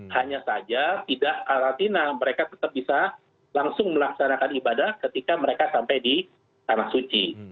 hanya saja tidak karantina mereka tetap bisa langsung melaksanakan ibadah ketika mereka sampai di tanah suci